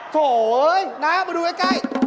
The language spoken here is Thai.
โถ่เอ๊ยน้ามาดูไว้ใกล้